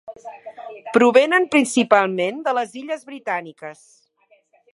Provenen principalment de les Illes Britàniques.